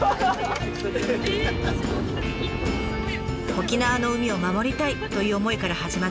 沖縄の海を守りたいという思いから始まった移住生活。